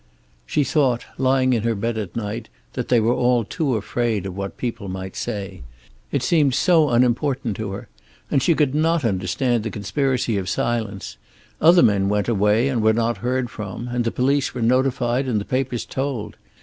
She thought, lying in her bed at night, that they were all too afraid of what people might say. It seemed so unimportant to her. And she could not understand the conspiracy of silence. Other men went away and were not heard from, and the police were notified and the papers told.